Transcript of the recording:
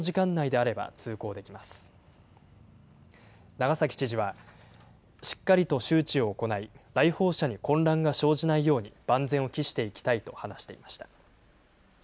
長崎知事は、しっかりと周知を行い、来訪者に混乱が生じないように万全を期していきたいと話していました。